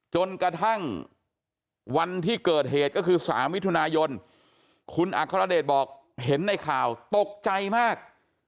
จนกระทั่งวันที่เกิดเหตุก็คือ๓มิถุนายนคุณอัครเดชบอกเห็นในข่าวตกใจมาก